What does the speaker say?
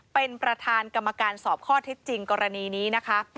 เป็นประธานกรรมการสอบข้อเท็จจริงกรณีนี้นะคะ